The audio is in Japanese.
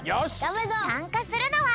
さんかするのは。